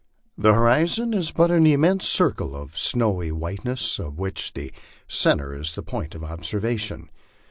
The horjzon is but an immense circle of snowy white ness, of which the centre is the point of observation.